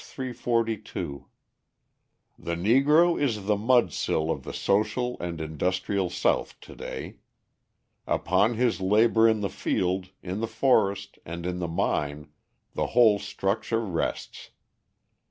342): The Negro is the mudsill of the social and industrial South to day. Upon his labour in the field, in the forest, and in the mine, the whole structure rests.